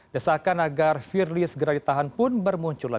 desakan agar firly segera ditahan pun bermunculan